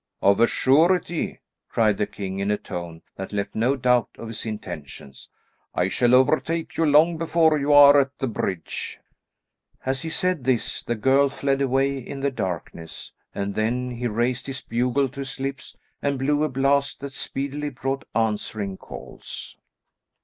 "Of a surety," cried the king, in a tone that left no doubt of his intentions. "I shall overtake you long before you are at the bridge!" As he said this the girl fled away in the darkness, and then he raised his bugle to his lips and blew a blast that speedily brought answering calls.